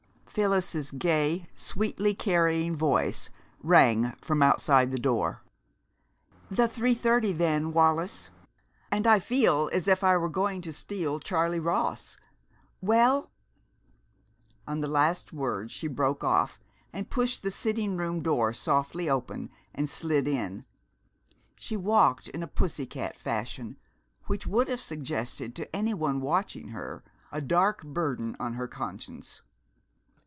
Phyllis's gay, sweetly carrying voice rang from outside the door: "The three thirty, then, Wallis, and I feel as if I were going to steal Charlie Ross! Well " On the last word she broke off and pushed the sitting room door softly open and slid in. She walked in a pussy cat fashion which would have suggested to any one watching her a dark burden on her conscience.